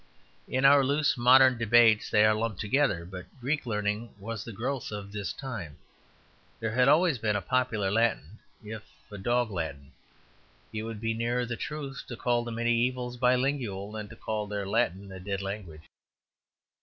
In our loose modern debates they are lumped together; but Greek learning was the growth of this time; there had always been a popular Latin, if a dog Latin. It would be nearer the truth to call the mediævals bi lingual than to call their Latin a dead language.